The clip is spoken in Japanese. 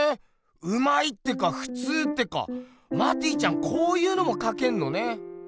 うまいってかふつうってかマティちゃんこういうのもかけんのね。